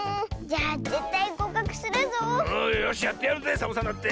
よしやってやるぜサボさんだって。